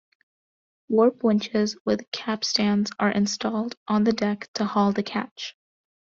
Warp winches with capstans are installed on the deck to haul the catch.